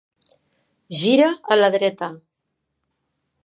Gira a la dreta.